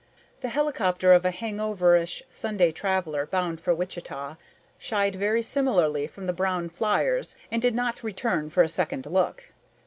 The helicopter of a hangoverish Sunday traveler bound for Wichita shied very similarly from the brown fliers and did not return for a second look.